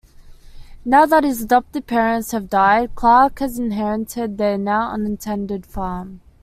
Now that his adoptive parents have died, Clark has inherited their now-unattended farm.